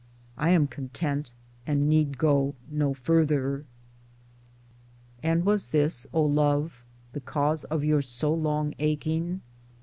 I am content and need go no farther. And was this, O love, the cause of your so long aching